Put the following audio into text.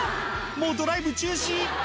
もう、ドライブ中止。